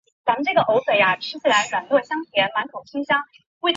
其父阿尔塔什达在同治十三年去世。